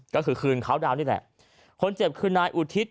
ก็คือคืนเขาดาวนี่แหละคนเจ็บคือนายอุทิศ